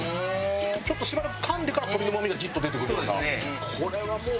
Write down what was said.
ちょっとしばらくかんでから鶏のうまみがジュッと出てくる。